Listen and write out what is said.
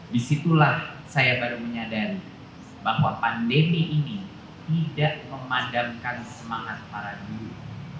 disitulah saya baru menyadari bahwa pandemi ini tidak memadamkan semangat para guru